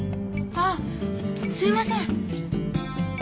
あっすいません。